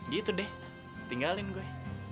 gitu deh tinggalin gue